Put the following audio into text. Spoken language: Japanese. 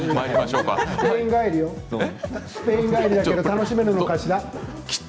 スペイン帰りよ楽しめるのかしら？